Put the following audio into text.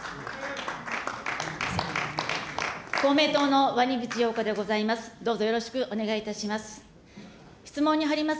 公明党の鰐淵洋子でございます。